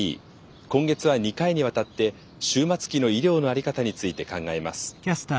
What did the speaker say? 今月は２回にわたって終末期の医療の在り方について考えます。